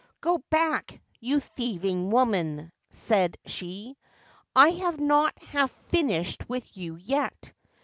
' Go back, you thieving woman !' said she. ' I have not half finished with you yet.